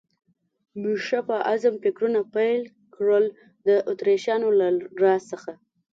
مې ښه په عزم فکرونه پیل کړل، د اتریشیانو له راز څخه.